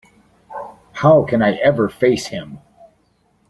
How can I ever face him?